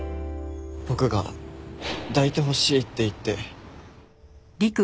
僕が抱いてほしいって言って。